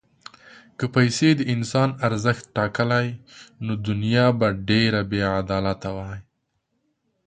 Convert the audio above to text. که پیسې د انسان ارزښت ټاکلی، نو دنیا به ډېره بېعدالته وای.